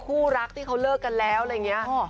คู่รักที่เขาเลิกกันแล้วอะไรอย่างนี้